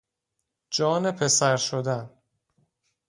جان پسر شدن